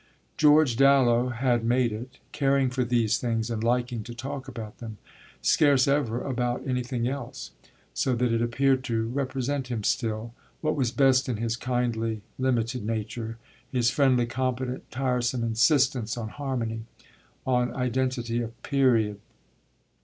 George Dallow had made it, caring for these things and liking to talk about them scarce ever about anything else; so that it appeared to represent him still, what was best in his kindly, limited nature, his friendly, competent, tiresome insistence on harmony on identity of "period."